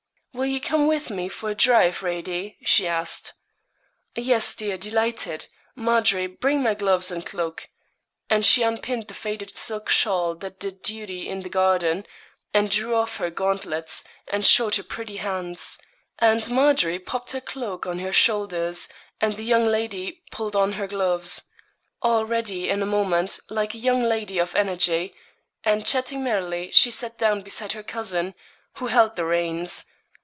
'Will you come with me for a drive, Radie?' she asked. 'Yes, dear delighted. Margery, bring my gloves and cloak.' And she unpinned the faded silk shawl that did duty in the garden, and drew off her gauntlets, and showed her pretty hands; and Margery popped her cloak on her shoulders, and the young lady pulled on her gloves. All ready in a moment, like a young lady of energy; and chatting merrily she sat down beside her cousin, who held the reins.